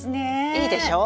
いいでしょう？